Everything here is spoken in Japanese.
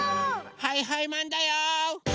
はいはいマンだよ！